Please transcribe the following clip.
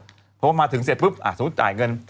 เพราะว่ามาถึงเสร็จปุ๊บสมมุติจ่ายเงิน